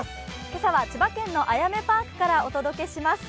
今朝は千葉県のあやめパークからお届けします。